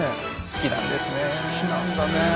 好きなんだねえ。